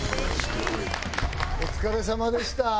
おつかれさまでした。